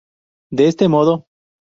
De este modo.